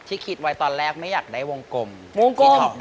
ไอเทมไหนที่ไม่อยากได้ที่สุด